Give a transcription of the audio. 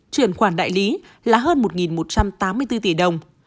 chuyển khoản đại lý là hơn một một trăm tám mươi bốn tỷ đồng